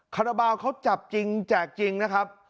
คาราบาลเขาจับจริงแจกจริงนะครับ